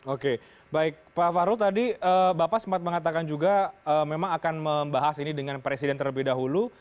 oke baik pak fahrul tadi bapak sempat mengatakan juga memang akan membahas ini dengan presiden terlebih dahulu